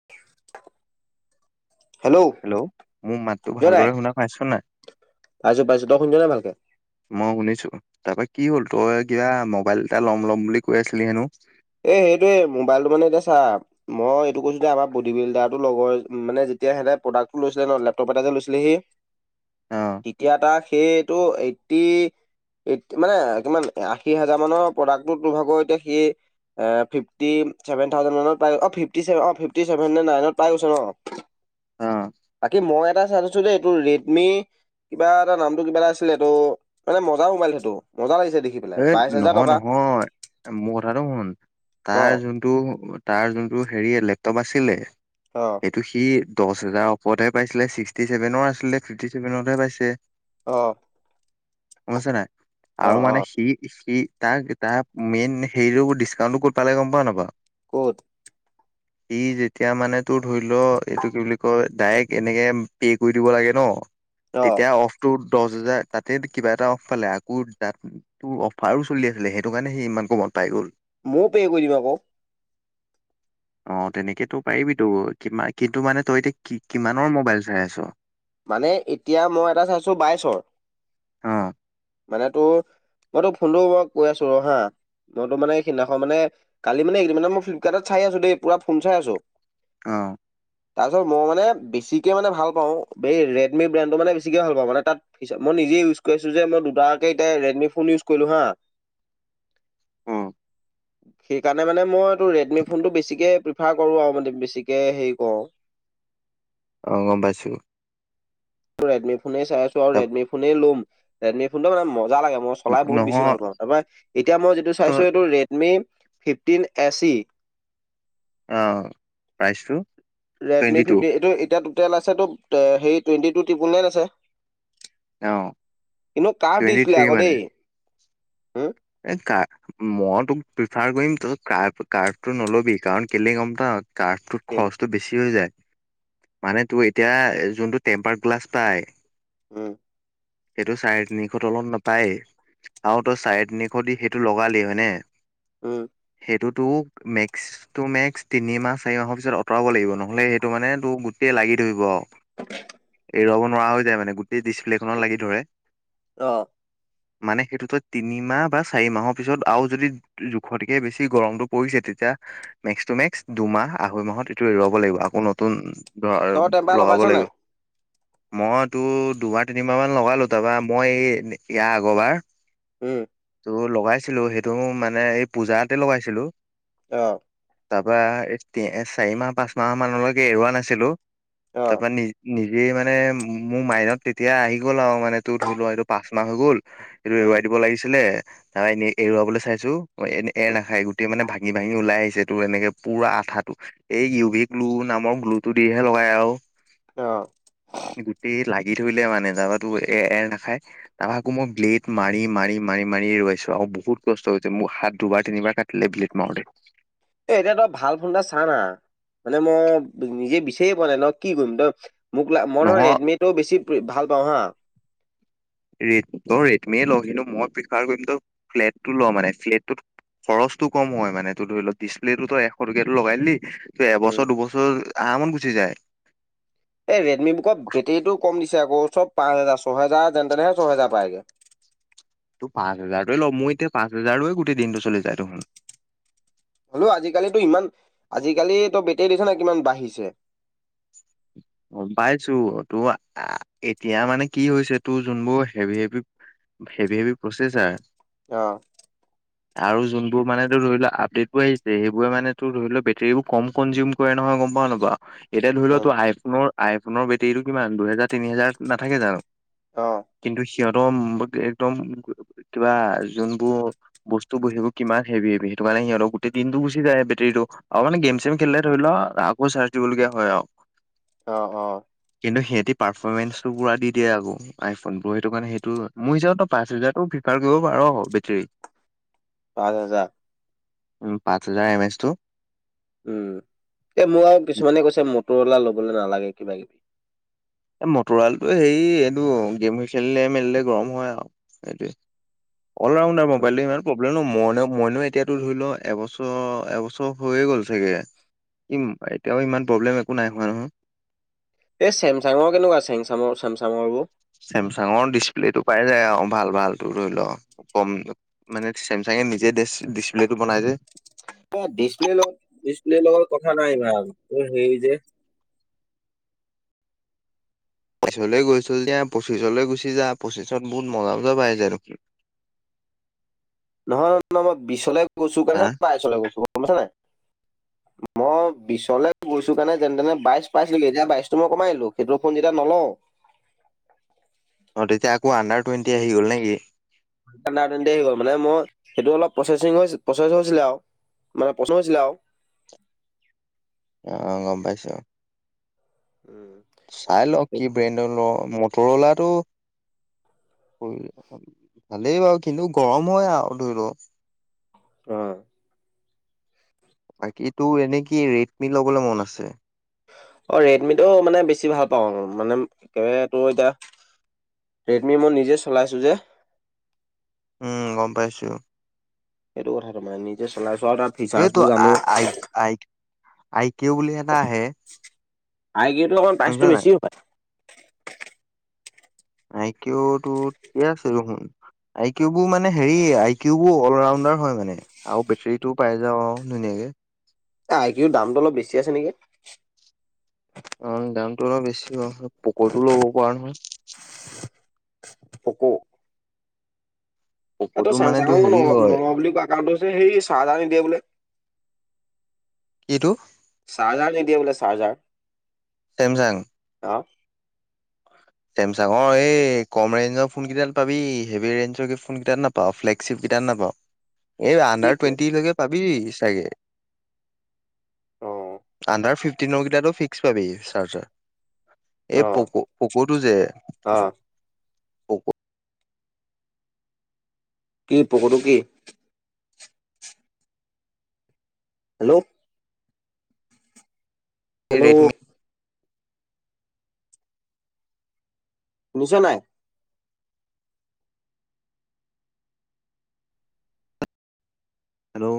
[unintelligible] Hello hello মো মাতটো শুনিছ নাই? ভালদৰে শুনা পাইছ নাই। পাইছো পাইছো তই শুনিছ নাই ভালকে। মই শুনিছো তা পা কি হ'ল তই কিবা মোবাইল এটা ল'ম ল'ম বুলি কৈ আছিলি হেনো। এ সেইটোৱে মোবাইলটো মানে এতিয়া চা মই এইটো কৈছো যে আমাৰ বডী বিল্ডাৰটো লগ মানে যেতিয়া সেতে প্ৰডাক্টো লৈছিলে ন লেপটপ এটা যে লৈছিলে সি অ'। তেতিয়া তাক সেইটো এইট টি এইট মানে কিমান আশী হাজাৰ মানৰ প্ৰডাক্টটো তো ভাগৰ এতিয়া সি এ ফিফটি চেভেন থাউজেনমানত পাই অ ফিফটি অ ফিফটি ছেভেন নে নাইনত পাই গৈছে ন অ' বাকী মই এটা চাই থৈছো দেই এইটো ৰেদ মি কিবা এটা নামটো কিবা এটা আছিলে এটো মানে মজা মোবাইল সেইটো মজা লাগিছে দেখি পেলাই হেত বাইশ হেজাৰ নহয় টকা নহয় এ মোৰ কথাটো শুন অ তাৰ যোনটো তাৰ যোনটো হেৰি লেপটপ আছিলে অঁ। সেটো সি দছ হেজাৰ ওপৰতহে পাইছিলে ছিক্সটি ছেভেনৰ আছিলে ফিফটি ছেভেনহে পাইছে। অ অ। গম পাইছা নাই অ আৰু অ মানে সি সি সি তাক টা মেইন হেৰিয়ো ডিচকাউণ্টটো কত পালে গম পাৱ নাপাৱ। ক'ত। সি যেতিয়া মানে তোৰ ধৰি ল এইটো কি বুলি কয় ডাইৰেক্ট এনেকে পে' কৰি দিব লাগে ন অ তেতিয়া অফ তৌ দছ হাজাৰ তাতে কিবা এটা অফ পালে আকৌ তাত তোৰ অফাৰো চলি আছিলে সেইটো কাৰণে সি ইমান কমত পাই গ'ল মো পে কৰি দিবা ক অ তেনেকেতো পাৰিবিতো কিমা কিন্তু মানে তই এতিয়া কি কিমানৰ মোবাইল চাই আছ মানে এতিয়া মই এটা চাইছোঁ বাইছৰ অ মানে তোৰ মই তো ফোনটো কৰি কৈ আছো ৰ হা মইতো মান সেদিনাখন মানে কালিমানে এইকেইদিনমানে মই ফ্লিপকাৰ্টত চাই আছো দেই পুৰা ফোন চাই আছো অ তাৰপিছত মই মানে বেছিকে মানে ভাল পাওঁ এই ৰেডমি ব্ৰেণ্ডটো মানে বেছিকে ভাল পাওঁ মানে তাত ফিচা মই নিজে ইউজ কৰি আছো যে মই দুটাকে এতিয়া ৰেডমি ফোন ইউজ কৰিলো হা সেইকাৰণে মানে মই তো ৰেডমি ফোনটো বেছিকে প্ৰিফাৰ কৰো আৰু মানে বেছিকে হেৰি কৰো অ গম পাইছো ৰেডমি ফোনেই চাই আছো আৰু তাৰ ৰেডমি ফোনেই ল'ম ৰেডমি ফোনটো মানে মজা লাগে মই চলাই বহুত বেছি নহয় ভাল পাওঁ তাপা এতিয়া মই যিটো তই চাইছো এইটো ৰেডমি ফিফটিন এ চি অ প্ৰাইচটো টুৱেণ্টি ৰেডমি টু ফিফটিন এইটো এতিয়া টোটেল আছে তোৰ হেৰি টুৱেন্টি টু টিপুল নাইন আছে কিন্তু কাড টুৱেণ্টি দিছিলে থ্ৰী আকৌ মানে দেই হম এ কা মই তোক প্ৰিফাৰ কৰিম তই কা কাফটো নল'বি কাৰণ কেলে গম পাৱ কা তোত কেলে খৰচটো বেছি হৈ যায় মানে তোৰ এতিয়া যোনটো টেম্পাৰ গ্লাছ পাই উম সেইটো চাৰে তিনিশ তলত নাপায়ে আও তই চাৰে তিনিশ দি সেইটো লগালি হয়নে উম সেইটোতো মেক্স টো মেক্স তিনি মাহ, চাৰি মাহৰ পিছত আতৰাব লাগিব নহ'লে সেইটো মানে তোৰ গোটেই লাগি ধৰিব [unintelligible] এৰুৱাব নোৱাৰা হৈ যায় মানে গোটেই ডিচপ্লেখনত লাগি ধৰে অ মানে সেইটোতো তিনিমাহ বা চাৰি মাহৰ পিছত আও যদি জোখতকে বেছি গৰমটো পৰিছে তেতিয়া মেক্সতো মেক্স দুমাহ, আঢ়ৈ মাহত এইটো এৰুৱাব লাগিব আকৌ নতুন ধৰা তই টেম্পাৰ লগাব লগাইছ লাগিব নাই? মই তোৰ দুবাৰ তিনিবাৰমান লগালো তাৰপা মই ইয়া আগৰ বাৰ উম তো লগাইছিলো সেইটো মানে এই পূজাতে লগাইছিলোঁ অহ তাপা এই তে চাৰি মাহ পাঁচ মাহ মানলৈকে এৰুৱা নাছিলো তাৰ অ' পৰা নি নিজেই মানে মোৰ মাইনত তেতিয়া আহি গ'ল আও মানে তোৰ ধৰি লোৱা এইটো পাঁচ মাহ হৈ গ'ল এইটো এৰুৱাই উম দিব লাগিছিলে অহ এনেই এৰুৱাবলৈ চাইছো অহ এনে এৰ উম নাখাই গোটেই মানে ভাঙি ভাঙি ওলাই আহিছে তোৰ এনেকে পুৰা আঠাটো এই ইউ ভি গ্লু নামৰ গ্লু টো দিহে লগাই আৱ। অ গোটেই লাগি ধৰিলে মানে যাগাতো এ এৰ নাখায়। তাৰ আকৌ মই ব্লেড মাৰি মাৰি মাৰি মাৰি এৰোৱাইছো আকৌ বহুত কষ্ট হৈছে মোৰ হাত দুবাৰ তিনিবাৰ কাট টিলে ব্লেট মাৰোতে এ এতিয়া তই ভাল ফোন এটা চানা মানে মই নিজে বিচাৰিয়ে পোৱা নাই ন কি কৰিম তই মোক লা মইধৰ নহয় ৰেডমিটো বেছি ভাল পাওঁ হা ৰেডটৰ ৰেটমিয়ে ল কিন্তু মই প্ৰিফাৰ কৰিম ত ফ্লেটটো ল মানে ফ্লেটটো খৰচটো কম হয় মানে এইটো ধৰি ল ডিছপ্লেততো তই এশ টকীয়াতো লগাই দিলি তোৰ উম এবছৰ দুবছৰ আৰামত গুচি যায় এই ৰেডমি বুক বেটেৰিটো কম দিছে আকৌ চব পাঁচ হেজাৰ ছয়হেজাৰ যেন তেনেহে ছয়হেজাৰ পায় গে। টো পাঁচ হাজাৰ টোৱে ল' মই এতিয়া পাঁচ হাজাৰো গোটেই দিনটো চলি যায় দেখোন হলো আজিকালিতো ইমান আজিকালি তো বেটেৰী দেখিচ নাই কিমান বাঢ়িছে। গম পাইছো তোৰ এতিয়া মানে কি হৈছে তোৰ যোনবোৰ heavy heavy heavy heavy processor অহ আৰু যোনবোৰ মানে তোৰ ধৰি লোৱা আপডেটো আহিছে সেইবোৰে মানে তোৰ ধৰি ল বেটেৰী বোৰ কম কনজিউ কৰে নহয় গম পাওঁ নাপাওঁ। এতিয়া ধৰি অ লও তো আইফোন আইফোনৰ বেটেৰীটো কিমান দুহেজাৰ তিনি হেজাৰ নাথাকে জানো। অহ কিন্তু সিহঁতম একদম কিবা যোনবোৰ বস্তুবোৰ সেইবোৰ কিমান হেভি হেভি সেইটো কাৰণে সিহঁতৰ গোটেই দিনটো গুচি যায় বেটৰীটো আও মানে গেম চেম খেলিলে ধৰি লও আকৌ চাৰ্জ দিবলগীয়া হয় আও অহ অহ কিন্তু সিহঁতি পাৰফৰ্মেঞ্চ টো পোৰা দি দিয়ে আক- আইফোন বোৰ সেইটো কাৰণে সেইটো মোৰ হিচাপত পাঁচ হেজাৰতো ফিফাৰ কৰিব পাৰ বেটেৰী। পাচঁ হেজাৰ- উম পাঁচ হাজাৰ এম এচ টো। উম এ মোৰ আৰু কিছুমানে কৈছে মটৰৱালা লবলৈ নালাগে কিবা কিবি। এই মটৰালটো হেৰি এইটো গেম খেলিলে মেলিলে গৰম হয় আৰু এইটোৱে। All rounder mobile. মোলে নো মইন মইনো এতিয়াতো ধৰি ল এবছৰ এবছৰ হৈয়ে গ'ল চাগে। শিকিম এতিয়াও ইমান প্ৰব্লেম একো নাই হোৱা নহয়। এই চেমচাঙৰ কেনেকুৱা চেমচাঙৰ চেমচাঙৰবোৰ। চেমচাঙৰ ডিচপ্লেটো পাই যায় অহ ভাল ভালতো ধৰি ল। কম মানে চেমচাঙে নিজে ডি ডিচপ্লেটো বনাই যে। এ ডিছপ্লে লগত ডিচপ্লেৰ লগত কথা নাই ইমান হেৰি যে- পাইছো লৈ গৈছো যেতিয়া, পঁচিছলৈ গুচি যাই পঁচিছত বহুত মজা মজা পাই যায় দেখোন। নহয় নহয় মই বিশছলৈ গৈছো ক হা বাইছলৈ গৈছো গম পাইছা নাই। মই বিশলে গৈছো কাৰণে যেনে তেনে বাইশ পাইছিলো এতিয়া বাইশতটো মই কমাই দিলো সেইটোৰ ফোন যেতিয়া নলওঁ। অহ তেতিয়া আকৌ আণ্ডাৰ টুৱেণ্টি আহি গ'ল নেকি। সেইকাৰণে অথনিয়ে আহি গ'ল মানে মই সেইটো অলপ প্ৰচেচিং প্ৰচেছ হৈছিলে আও। মানে পচন হৈছিলে আও। অহঁ গম পাইছো। উম চাই ল কি ব্ৰেণ্ডৰ ল মটৰ অলাটো- ভালেই বাৰু কিন্তু গৰম হয় আৰু ধৰি লওঁ। উম। বাকী তো এনে কি ৰেডমি ল'বলৈ মন আছে। অ ৰেডমিটো মানে বেছি ভাল পাওঁ, আৰু মানে একেবাৰে তোৰ এতিয়া- ৰেডমি মই নিজে চলাইছোঁ যে- উম গম পাইছো। এইেটো কথাটো মানে নিজে চলাইছোৱা আৰু তাত- এইেটো আ আ আই কিও বুলি এটা আহে। আই কিওতো অকমান প্ৰাইচ শুনিছ নাই বেছিও হপাই। আই কিউটো ঠিকে আছে দেখোন। আই কিউ বোৰ মানে হেৰি আই কিউ বোৰ অল ৰাউণ্ডাৰ হয় মানে। আৰু বেটাৰীটোও পাই যাওঁ ধুনীয়া কে। আই কিউ দামটো অলপ বেছি আছে নেকি। অ দামতটো অলপ বেছি বাও, পকৈটোও ল'ব পৰা নহয়। পক' এইটো পক'টো মানে তোৰ চেমচাঙৰো হেৰি নল হয় নল‌ওঁ বুলি কোৱা কাৰণটো হৈছে সেই চাৰ্জাৰ নিদিয়ে বোলে। কিটো চাৰ্জা নিদিয়ে বোলে চাৰ্জা। ছেমচাং অঁ চেমচাঙৰ এই কম ৰেঞ্জৰ ফোনকেইটাত পাবি, হেভভি ৰেঞ্জ ফোনকেইটাত নাপাওঁ ফ্লেগশ্বিপকেইট নাপাওঁ [unintelligible] এই কি আণ্ডাৰ ফ্লেগ টুৱেণ্টিলৈকে পাবি চাগে অ'। আণ্ডাৰ ফিফটনৰকেইটটো ফিক্স পাবি চাৰ্জাৰ এই পক পকুটো যে। অঁ পক- কি পকুটো কি? হেল্ল' হেল্ল', ৰেডমি শুনিছ নাই? হেল্ল'